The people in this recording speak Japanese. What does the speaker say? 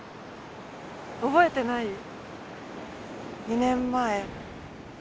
覚えてない？２年前。